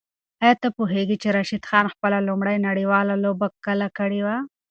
آیا ته پوهېږې چې راشد خان خپله لومړۍ نړیواله لوبه کله کړې وه؟